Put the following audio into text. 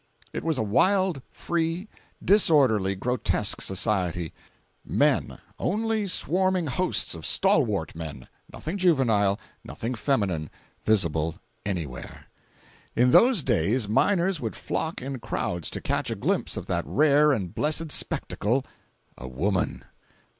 It was a wild, free, disorderly, grotesque society! Men—only swarming hosts of stalwart men—nothing juvenile, nothing feminine, visible anywhere! In those days miners would flock in crowds to catch a glimpse of that rare and blessed spectacle, a woman!